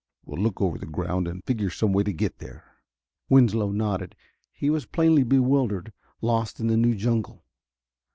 We'll look over the ground and figure some way to get there." Winslow nodded. He was plainly bewildered, lost in the new jungle.